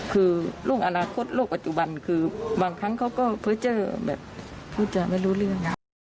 คือโรคอนาคตโรคปัจจุบันคือบางครั้งเขาก็พูดจารู้เรื่อง